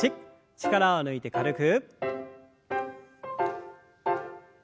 力を抜いて軽く。